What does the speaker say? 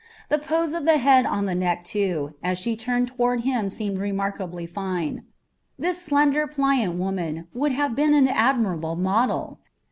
The pose of the head on the neck, too, as she turned toward him seemed remarkably fine. This slender, pliant woman would have been an admirable model!